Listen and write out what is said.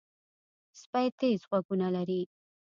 سپي تیز غوږونه لري.